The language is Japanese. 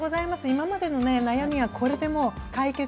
今までのね悩みはこれでもう解決。